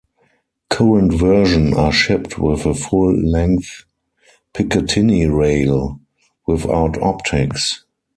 Current version are shipped with a full length Picatinny rail, without optics.